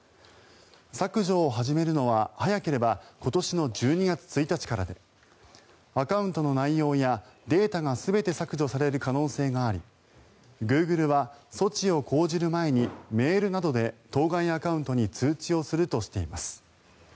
削除を始めるのは早ければ今年の１２月１日からでアカウントの内容やデータが全て削除される可能性がありグーグルは措置を講じる前にメールなどで当該アカウントに通知をするとしています。